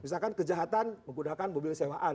misalkan kejahatan menggunakan mobil sewaan